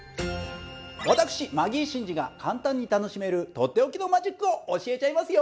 私マギー審司が簡単に楽しめるとっておきのマジックを教えちゃいますよ。